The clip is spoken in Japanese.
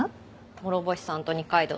諸星さんと二階堂さん